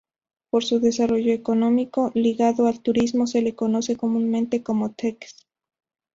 Por su desarrollo económico ligado al turismo, se le conoce comúnmente como "Teques".